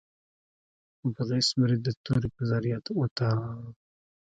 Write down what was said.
بوریس برید د تورې په ذریعه وتاوه.